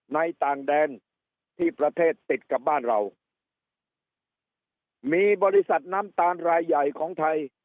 ต่างแดนที่ประเทศติดกับบ้านเรามีบริษัทน้ำตาลรายใหญ่ของไทย